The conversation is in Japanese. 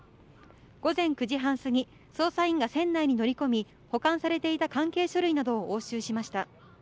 午前９時半過ぎ、捜査員が船内に乗り込み、保管されていた関係書類などを押収しました。